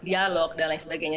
dialog dan lain sebagainya